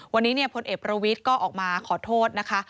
วันนี้พลเอกประวิทย์ก็ออกมาขอโทษนะคะ